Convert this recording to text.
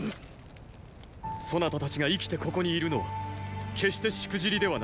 ⁉そなたたちが生きてここにいるのは決してしくじりではない。